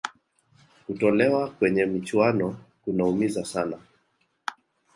kutolewa kwenye michuano kunaumiza sana